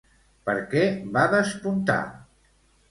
Per què va despuntar?